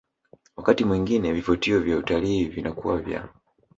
Wakati mwingine vivutio vya utalii vinakuwa vya